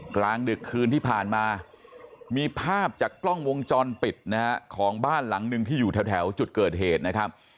กลางดึกคืนที่ผ่านมามีภาพจากกล้องวงจรปิดนะฮะของบ้านหลังหนึ่งที่อยู่แถวจุดเกิดเหตุนะครับ